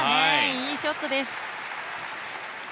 いいショットです。